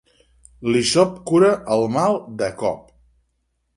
L'hisop cura el mal de cop.